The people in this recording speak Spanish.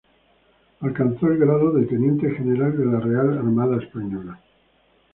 Alcanzó el grado de teniente general de la Real Armada Española.